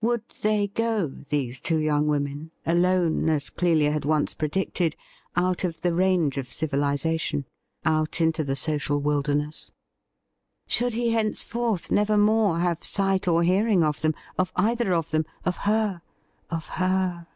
Would they go, these two young women, alone, as Clelia had once predicted, out of the range of civilization — out into the social wilderness? Should he henceforth never more have sight or hearing of them — of either of them — of her — of her?